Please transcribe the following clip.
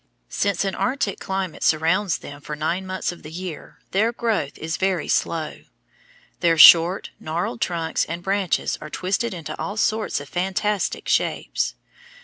Since an arctic climate surrounds them for nine months in the year, their growth is very slow. Their short, gnarled trunks and branches are twisted into all sorts of fantastic shapes.